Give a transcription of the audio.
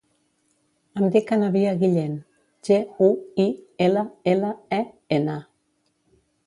Em dic Anabia Guillen: ge, u, i, ela, ela, e, ena.